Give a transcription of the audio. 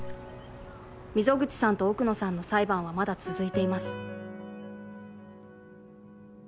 溝口さんと奥野さんの裁判はまだ続いています